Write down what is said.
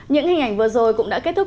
những hình ảnh vừa rồi cũng đã kết thúc